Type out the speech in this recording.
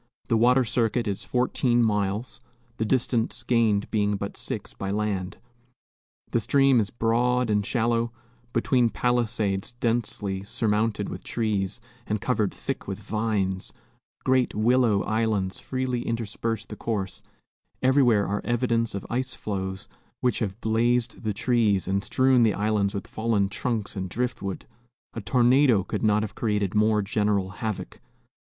The water circuit is fourteen miles, the distance gained being but six by land. The stream is broad and shallow, between palisades densely surmounted with trees and covered thick with vines; great willow islands freely intersperse the course; everywhere are evidences of ice floes, which have blazed the trees and strewn the islands with fallen trunks and driftwood, a tornado could not have created more general havoc.